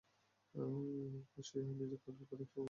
ওয়াহশী নিজেকে আড়াল করে এক সময় কাছে পৌঁছে যায়।